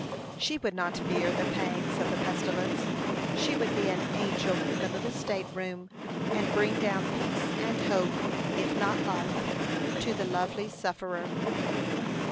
She would not fear the pangs of the pestilence; she would be an angel in the little state room, and bring down peace and hope, if not life, to the lovely sufferer.